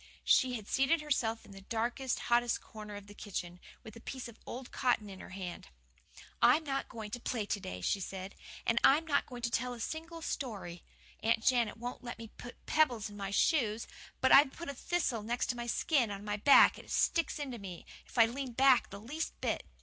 She had seated herself in the darkest, hottest corner of the kitchen, with a piece of old cotton in her hand. "I am not going to play to day," she said, "and I'm not going to tell a single story. Aunt Janet won't let me put pebbles in my shoes, but I've put a thistle next my skin on my back and it sticks into me if I lean back the least bit.